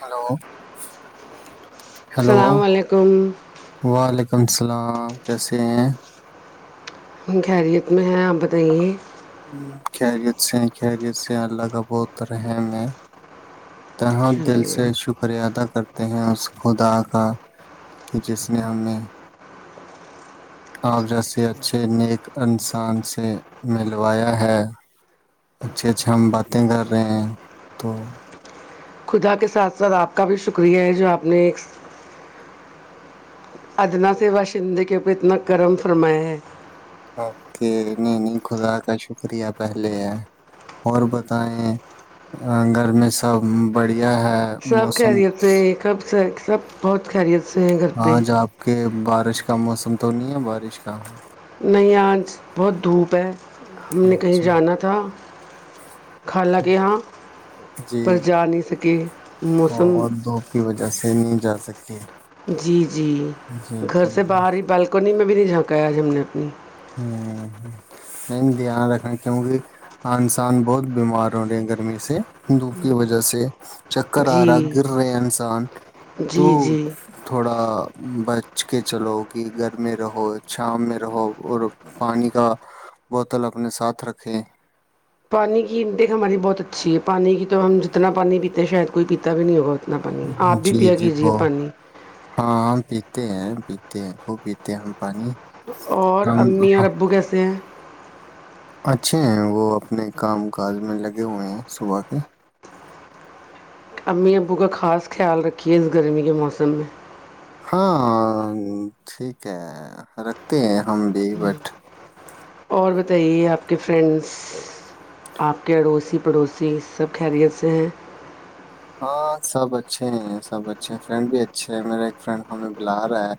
Hello hello و السلام علیکم وعلیکم السلام کیسے ہیں خیریت میں ہے آپ بتائیے خیریت سے خیریت سے اللہ کا بتریں میں تہاں دل چلیے سے شکریہ ادا کرتے ہیں اس خدا کا کہ جس نے ہم نے آپ جیسے اچھے نیک انسان سے ملوایا ہے اچھے اچھے ہم باتیں کر رہے ہیں تو خدا کے ساتھ ساتھ آپ کا بھی شکریہ ہے جو آپ نے ایک ادن سے باشندے کے اوپر اتنا گرم فرمایا ہے اوک ن نہیں خدا کا شکریہ پہلے ہے اور بتائیں گھر میں سب بڑی سب کہ رہیے تھ کب سے سب بہت خیریت سے ہیں گھر ہاں پہ ج آپ کے ب بارش کا موسم تو نہیں ہے بارش کا نہیں آج بہت دھوپ ہے ہم نے کہیں اچھا جانا تھا حالاںکہ ہاں جی پر جا نہیں سکے موسم سکی جی جی گھر سے باہر ہی بالکنی میں ب بھی نہیں جھانکایا جج ہم نے اپنی ہ نہیں دھیان رکھنا کیونکہ انسان بہت بیمار ہو رہے ہیں گرمی سے دھوپ کی وجہ سے چکر آ رہا جی گر رہے انسان تو جی جی تھوڑا بچ کے چلو کہ گھر میں رہو شام میں رہو اور پانی کا بوتل اپنے ساتھ رکھے پانی کی انٹیک ہماری بہت اچھی ہے پانی کی تو ہم جتنا پانی پیتے شاید کوئی پیتا بھی نہیں ہوگا اتنا پانی آپ بھی جی پیا جی کیجیے بہت پانی ہاں ہم پیتے ہیں پیتے ہیں خوب پیتے ہیں ہم پانی اور ہم امی اور ہاں، ابو کیسے ہیں اچھے ہیں وہ اپنے کام کاج میں لگے ہوئے ہیں صبح کے امی ابو کا خاص خیال رکھیے اس گرمی کے موسم میں ہاں ٹھیک ہے رکھتے ہیں ہم بھی بٹ اور بتائیے آپ کے فرینڈس آپ کے اڑوسی پڑوسی سب خیریت سے ہیں ہاں سب اچھے ہیں سب اچھے ہیں فرینڈ بھی اچھے ہیں میرا ایک فرینڈ ہمیں بلا رہا ہے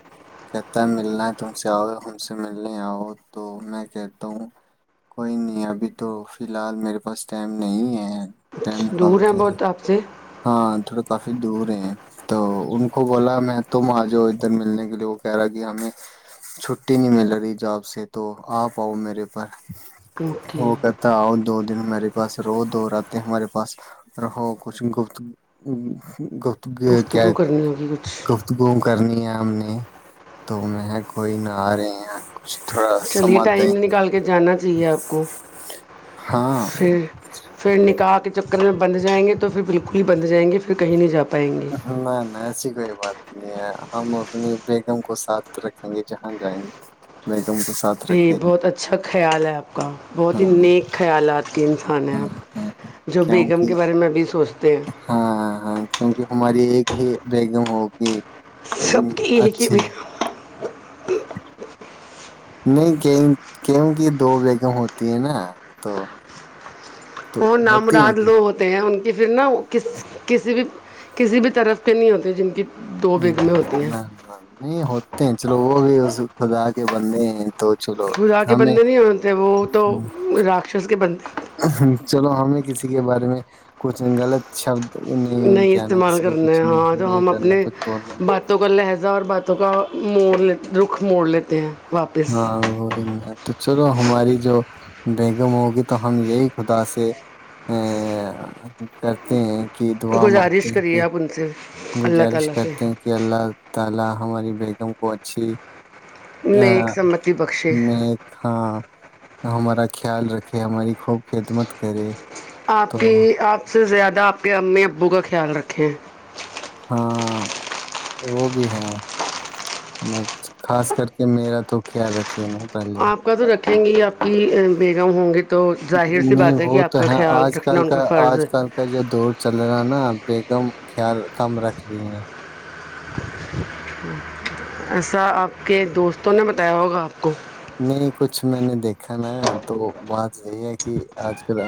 کہتا ہے ملنا ہے تم سے آؤ ہم سے ملنے آؤ تو میں کہتا ہوں کوئی نہیں ابھی تو فی الحال میرے پاس ٹائم نہیں ہے ٹائم دور ہیں نکالتے بہت آپ سے ہاں تھوڑا کافی دور ہیں تو ان کو بولا میں تم آ جؤ ادھر ملنے کے لیے وہ کہہ رہا کہ ہمیں چھٹی نہیں مل رہی جاب سے تو آپ آؤ میرے پر ہو اوکے کرتا آ دو دن میرے بس رو دو رہاتتے ہمارے پاس رہو کچھ گپت [inaudible] کیا گفتگو کرنی ہوگی کچھ گفتگو کرنی ہے ہم نے تو میں کوئی نہ آ رہے ہیں کچھ تھوڑا چلیے سماتے ہیں۔ ٹائم نکال کے جانا چاہیے آپ کو ہاں پھر پھر نکا چکر میں بند جائیں گے تو پھر بالکل ہی بند جائیں گے پھر کہیں نہیں جا پائیں گے نہیں نہ ای کوئی بات نہیں ہے ہم اپنی بیگم کو ساتھ رکھیں گے جہاں جائیں گے کو ساتھ نہیں رکھے ہیں بہت اچھا خیال ہے آپ کا بہت ہاں ہی نیک خیالات کی انسان ہے ہاں ہاں آپ جو بیگم کیونکہ کے بارے میں ابھی سوچتے ہیں ہاں ہاں کیونکہ ہماری ایک ہی بیگم ہوگ سب کے یہ ہے کہ بھی نہیں کیوں کی دو بیگم ہوتی ہیں نا تو تو وہ نام ہوتی ہیں راد کہ لو ہوتے ہیں ان یہ پھر نہا وہ کس کسی بھی کسی بھی طرف کے نہیں ہوتے جن کی دو بیگمیں ہوتی ہیں نہیں ہوتے ہیں چلو وہ وہ بھی اس خدا کے بند ہیں تو چلو خدا کے ہمیں بندے نہیں ہوتے وہ تو راکشس کے بند چلو ہمیں کسی کے بارے میں کچھ غلط شبد نہیں کہنا استعمال کسی کو کرنا کچھ ہیں نہیں ہاں تو نہیں ہم کرنا اپنے کچھ بولنا باتوں کا لہجہ اور باتوں کا مور لیتے رکھ موڑ لیتے ہیں واپس ہاںورن تو چلو ہماری جو بیگم ہوگی تو ہم یہی خدا سے ا کرتے ہیں کہ دعا مانگتے گزارش ہیں کہ کریے آپ ان سے اللہ گزارش تعالی سے کرتے ہیں کہ اللہ تعالی اللہ ہماری بیگم کو اچھی نے ا ایک سمتی بخشے مھاں ہمارا خیال رکھے ہماری خوب خدمت کرے تو آپ کی آپ سب سے زیادہ آپ کے امی ابو کا خیال رکھیں ہیں ہاں وہ بھی ہے خاص کر کے میرا تو خیال رکھے ے نا پہلے دیں گی آپ بیگم ہوں گے نہیں وہ تو ہے آج رکھنا کل ان کا فرض ہے آج کل کا جو دور چل رہا ہے نا بیگم خیال کم رکھ رہی ہیں ایسا آپ کے دوست تو نے بتایا ہوگا آپ کو نہیں کچھ میں نے دیکھا نا تو بات یہی ہے کہ آج کل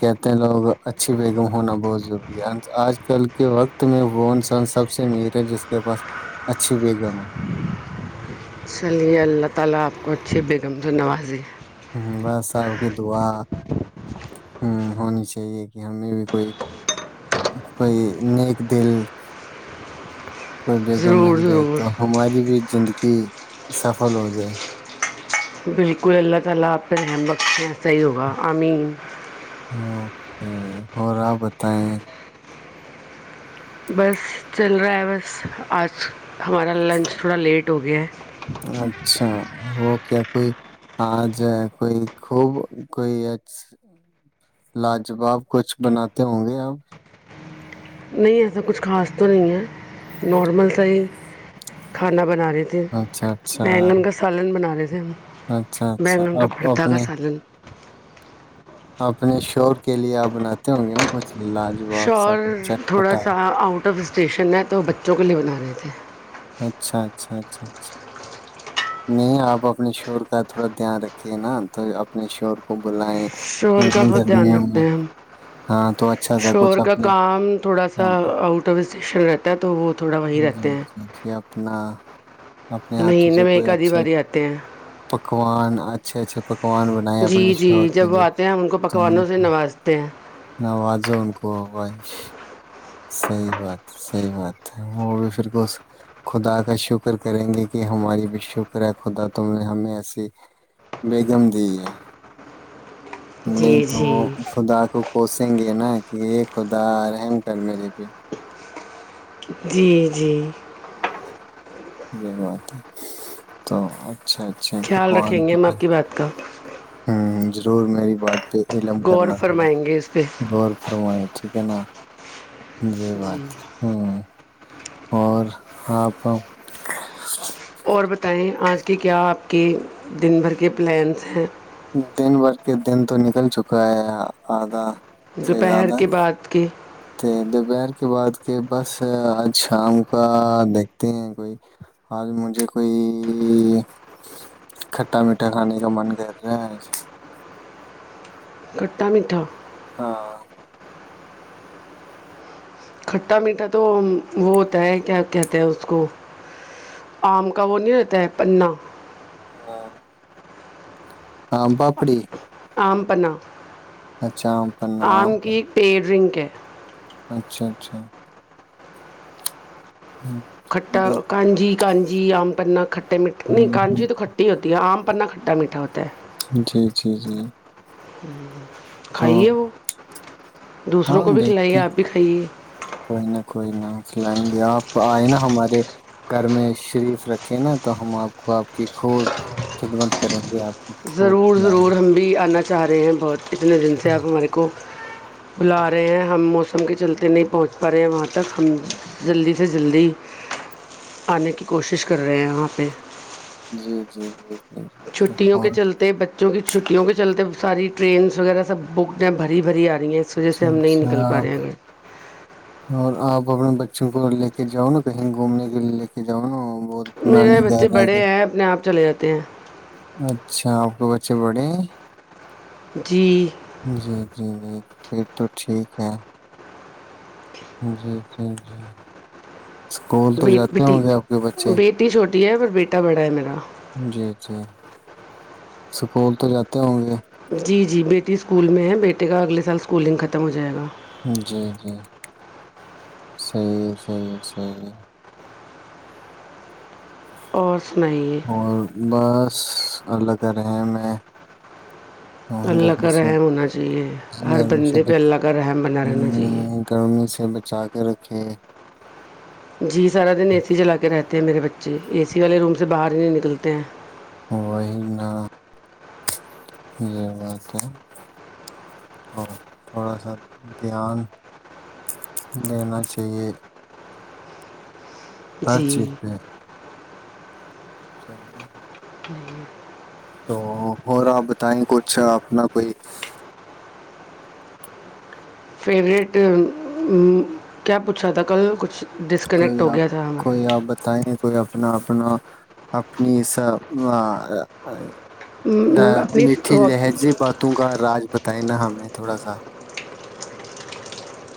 کہتے ہیں لوگ اچھی بیگم ہونا بہت ضروری ہے آج کل کے وقت میں وہ انسان سب سے امیر ہے جس کے پاس اچھیھی بیگم ہے اللہ تعالی اپ کو اچھے بیگم سے نوازی اس میں ہ بس آپ کی دعا ہ ہونی چاہیے کہ ہمیں بھی کوئی کوئی نیک دل کوئی بیگم مل ضرور جائے ضرور تو ہماری بھی زندگی سفل ہو جائے بالکل اللہ تعالی اپ سے رحمت صحیح ہوگا امین اوکے اور آپ بتائیں بس چل رہا ہے بس آج ہمارا لنچ تھوڑا لیٹ ہو گیا ہے اچھا وہ کیا کوئی آ ج ہے کوئی خوب کوئی لاجواب کچھ بناتے ہوں گے آپ نہیں ایسا کچھ خاص تو نہیں ہے نارمل سا ہی کھانا بنا بنا رہے تے اچھا اچھا بینگن کا سالن بنا رہے تھے [unintelligible] اچھا اچھا بینگن کا آپ بھرتا کا اپنے سالن آپ اپنے شور کے لیے آپ بناتے ہوں گے نا کچھ [unintelligible] آٹف اسٹیشن ہے تو وہ بچوں کے لیے بنا رہے تھے اچھا اچھا اچھا اچھا نہیں آپ اپنے شور کا تھوڑا دھیان رکھیے نا تو اپنے شور کو بلائیں شور کا ان بہت دھیان گرمیوں رکھتے میں ہیں ہم ہاں تو اچھا سا شور کچھ کا اپنے کام تھوڑا سا ہاں آؤٹ آف اس یشن رہتا ہے تو وہ تھوڑا وہیں رتے ہیں نہ اپنے ہاتھوں سے مہینے میں کوئی ایک آدھی اچھے باری آتے ہیں پکوان اچھا اچھا پک پکوان بنائے اپنے جی جی شوہر کے جب وہ لیے آتے ہیں ہم ان کو تو ان پکوانوں سے کو نوازتے ہیں نوازو ان کو وائش [inaudible] صحیح بات صحیح بات ہے وہ بھی پھر کو خدا کا شکر کریں گے کہ ہماری بھی شکر ہے خدا تم نے ہمیں ایسی بیگم دی ہے نہیں جی تو جی خدا کو کو [inaudible] یں گے نا کہ یہ خدا رہ [inaudible] سر میرری بھی جی جی یہی بات ہے تو اچھا اچھا خیال رکھیں پکوان گے ہم پک- آپ کی بات کا ہوں ضرور میری بات علم غور کرنا تھوڑا فرمائیں گے اس پہ غور فرویں ٹھیک ہے نا جی بات ہے ہ اور آپ اور بتائیں آج کے کیا آپ کے دن بھر کے پلینس ہیں دن بھر کے دن تو نکل چکا ہے آدھا دوپہر کے بعد کے تو دوپہر کے بعد کے بس آج شام کا دیکھتے ہیں کوئی آج مجھے کوئی کھٹا میٹھا کھانے کا من کر رہا ہے آج کھٹا میٹھا [inaudible] ہاں [inaudible] کھٹا میٹھا تو وہ ہوتا ہے کیا کہتے ہیں اس کو آم کا وہ نہیں رہتا ہے پنا ہاں ہ پاپڑی [inaudible] آم پنا اچھا آم پنا [inaudible] آم کی پیڈرنک [inaudible] ک [inaudible] اچھا اچھا [inaudible] ہوں، کھٹا دیکھ- کانجی [inaudible] گانجی آم پنا ک منی ہوں، ہوں، کانچی تو کھٹی ہوتی ہے آم [inaudible] پنا کھٹا میٹا ہوتا ہے جی جی جی ہ [inaudible] تو کھائیے وہ دوسروں ہاں کو بھی کھلائیے دیکھتے ہیں آپ بھی کھائیے چلائیں گے آپ آئے نا ہمارے گھر میں شریف رکھے نا تو ہم آپ کو آپ کی خب خدمت کریں گے آپ کو خوب ضرور کھلائیں ضرور ہم بھی آ جاہ رہے ہیں بہت اتنے دن سے آپ ہمارے کو بلا رہے ہیں ہم موسم کے چلتے نہیں پہنچ پا رہے ہیں وہاں تک ہم جلدی سے جلدی آنے کی کوشش کر رہے ہیں وہاں پہ [unintelligible] جی جی جی جی جی چھٹیوں کے اور چلتے ب چونکہ چھٹیوں کے چلتے ساری ٹرینس وغیرہ سب بک بھری بھری آ اس وجہ سے اچھا ہم نہیں اچھا نکل پا رہے آپ ہیں ا گ اور آپ اپنے بچوں کو لے کے جاؤ نا کہیں گھومنے کے لیے لے کے جاؤ نا بہت میرے نانی بچے گھر آ بڑے گ ہیں اپنے آپ چلے جاتے ہیں اچ بڑی [unintelligible] جی جی جی پھر تو ٹھیک ہے جی جی جی اسکول تو جاتے ہوں گے آپ کے بچے ر ہے اور بیٹا بڑا ہے میرا [unintelligible] جی جی سکول تو جاتے ہوں گے جی جی بیٹی اسکول میں ہے بیٹے کا اگلے سال اسکولنگ ختم ہو جائے گا جی جی صحیح ہے صحیح ہے صحیح ہے اور سنائیے اور بس اللہ کر رہے ہیں میں ہ اللہ گرمی کا سے رحم ہونا چاہیے ہر گرمی سے بندے پہ اللہ کا رحم بنا رہنا چاہیے گرمی سے بچا کے رکھے جی سارا دن اے سی جلا کے رہتے ہیں میرے بچے اے سی والے روم سے باہر ہی نہیں نکلتے ہیں وہی ن یہ بات ہے تو تھوڑا سا دھیان دینا چاہیے ہر چیز جی پہ سی ن [unintelligible] ہی تو ہو رہاپ بتائیں کچھ اپنا کوئی فیوریٹ کیا پوچھا تھا کل کچھ ڈسکنیکٹ کوئی ہو آپ گیا تھا کوئی آپ بتائیں گ کوئی اپنا اپنا اپنی سب ہمارا اپنی میٹھی لہجے باتوں کا راج بتائے نا ہمیں تھوڑا سا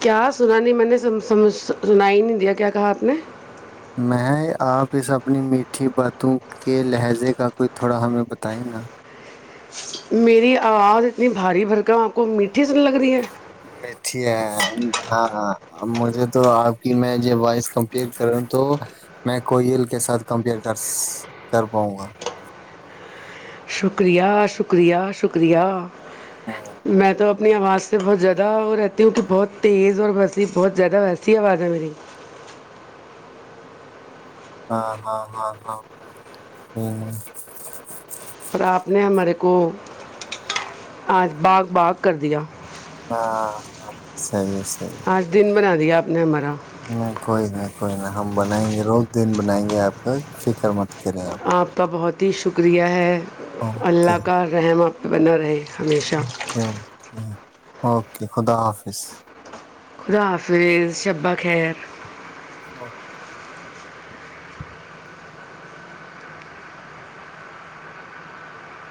کیا سنا نہیں میں نے سمجھ سنا ہی نہیں دیا کیا کہا آپ نے میں آپ اس اپنی میٹھی باتوں کے لہجے کا کوئی تھوڑا ہمیں بتائیں نا میری آواز اتنی بھاری بھرکم آپ کو میٹھی سن لگ رہی ہے میٹھی ہے ہاں ہاں مجھے تو آپ کی میں ج وائز کمپیئر کروں تو میں کوئل کے ساتھ کمپیئر کر کر پاؤں گا شکریہ شکریہ شکریہ میں تو اپنی آواز سے بہت زیادہ وہ رہتی ہوں تو بہت تیز اور وسی بہت زیادہ ویسی آواز ہے میری ہاں ہاں ہاں ہاں پر آپ نے ہمارے کو آج باغ باغ کر دیا ہاں ہاں صی ہے صی ہے آج دن بنا آپ نے نہیں کوئی نہیں کوئی ن ہم بنائیں گے روز دن بنائیں گے آپ کا فکر مت آپ کا بہت ہی شکریہ ہے اوکے اللہ کا رحمت ب ن رہی [inaudible] اوکے خدا حافظ خدا حافظ شبہ خیر